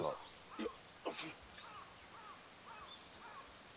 いや。